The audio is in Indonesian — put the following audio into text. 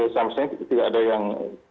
seharusnya tidak ada yang